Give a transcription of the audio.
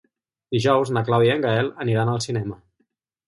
Dijous na Clàudia i en Gaël aniran al cinema.